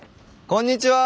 こんにちは。